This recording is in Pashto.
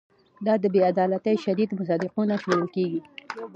دا د بې عدالتۍ شدید مصداقونه شمېرل کیږي.